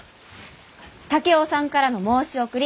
竹雄さんからの申し送り